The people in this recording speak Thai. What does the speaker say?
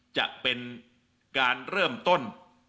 จะเป็นการเริ่มต้น